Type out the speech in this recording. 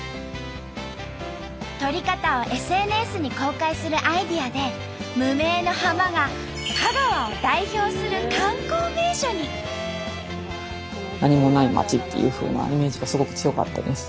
撮り方をＳＮＳに公開するアイデアで無名の浜が何もない町っていうふうなイメージがすごく強かったです。